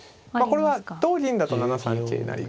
これは同銀だと７三桂成が。